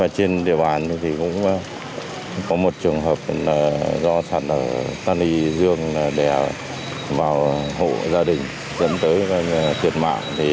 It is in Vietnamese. trên địa bàn cũng có một trường hợp do sạt lở ta nì dương đè vào hộ gia đình dẫn tới thiệt mạng